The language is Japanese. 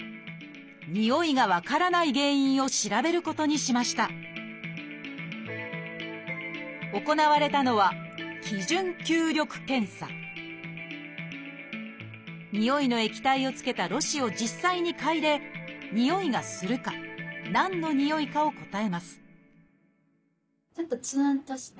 においが分からない原因を調べることにしました行われたのはにおいの液体をつけたろ紙を実際に嗅いでにおいがするか何のにおいかを答えます